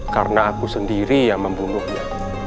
karena aku sendiri yang membunuhnya